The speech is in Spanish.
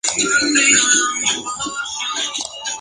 Al acto asisten autoridades, familiares y amigos.